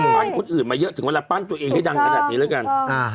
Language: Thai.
ปั้นคนอื่นมาเยอะถึงเวลาปั้นตัวเองให้ดังขนาดนี้แล้วกัน